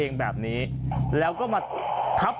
สวัสดีครับ